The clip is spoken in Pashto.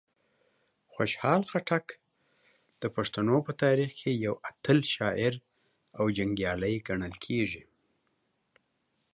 خوشحال خټک د پښتنو په تاریخ کې یو اتل شاعر او جنګیالی ګڼل کیږي.